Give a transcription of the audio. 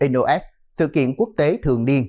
nos sự kiện quốc tế thường điên